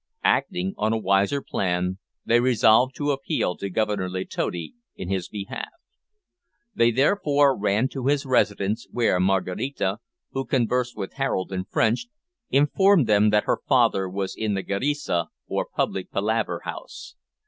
Acting on a wiser plan, they resolved to appeal to Governor Letotti in his behalf. They therefore ran to his residence, where Maraquita, who conversed with Harold in French, informed them that her father was in the "Geresa," or public palaver house.